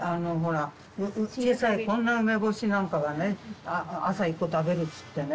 小さいこんな梅干しなんかがね朝１個食べると言ってね